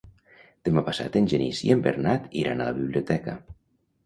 Demà passat en Genís i en Bernat iran a la biblioteca.